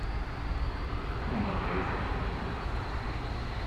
Nem vette észre senki.